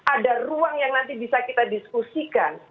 ada ruang yang nanti bisa kita diskusikan